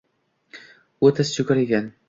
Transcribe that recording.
U tiz chukar ekan